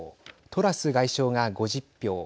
トラス外相が５０票。